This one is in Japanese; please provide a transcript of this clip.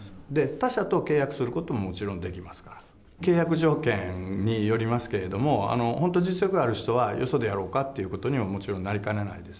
他社と契約することももちろんできますから、契約条件によりますけれども、本当、実力ある人はよそでやろうかっていうことにも、もちろんなりかねないです。